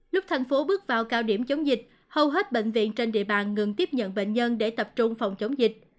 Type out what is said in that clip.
lúc thành phố bước vào cao điểm chống dịch hầu hết bệnh viện trên địa bàn ngừng tiếp nhận bệnh nhân để tập trung phòng chống dịch